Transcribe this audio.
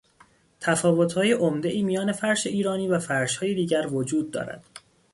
تفاوتهای عمدهای میان فرش ایرانی و فرشهای دیگر وجود دارد.